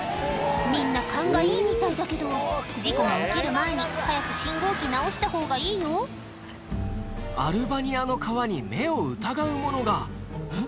みんな勘がいいみたいだけど事故が起きる前に早く信号機直したほうがいいよアルバニアの川に目を疑うものがん？